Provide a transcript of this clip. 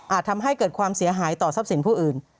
ทำให้เกิดความเสียหายต่อทรัพย์สินผู้อื่น